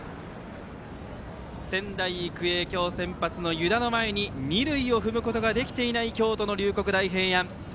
仙台育英、今日先発の湯田の前に二塁を踏むことができていない京都の龍谷大平安。